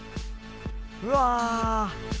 うわ！